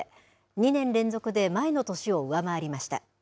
２年連続で前の年を上回りました。